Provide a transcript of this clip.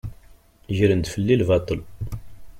Gren-d fell-i lbaṭel.